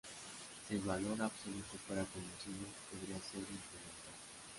Si el valor absoluto fuera conocido, podría ser implementado.